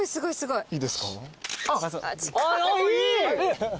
いい！